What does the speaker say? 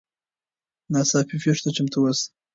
ناڅاپي پیښو ته چمتو اوسئ.